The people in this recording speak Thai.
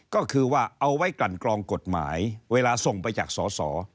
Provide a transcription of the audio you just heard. ก็คือว่าเอาไว้กลั่นกรองกฎหมายเวลาส่งไปจากสอสอ